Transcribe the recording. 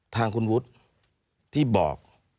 ทางคุณวุฒิที่บอก